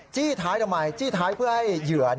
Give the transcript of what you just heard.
จี้ท้ายทำไมจี้ท้ายเพื่อให้เหยื่อ